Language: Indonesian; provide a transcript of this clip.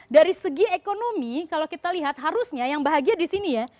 dari segi ekonomi kalau kita lihat harusnya yang bahagia di sini ya